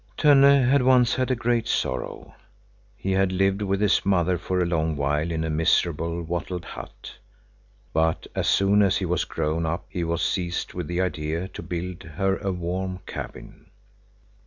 Tönne had once had a great sorrow. He had lived with his mother for a long while in a miserable, wattled hut, but as soon as he was grown up he was seized with the idea to build her a warm cabin.